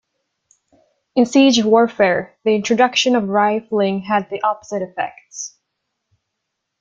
In siege warfare, the introduction of rifling had the opposite effect.